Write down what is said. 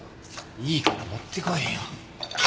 いいから持ってこいよ。